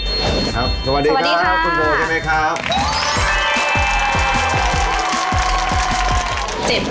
สวัสดีค่ะคุณโหลดใช่ไหมครับ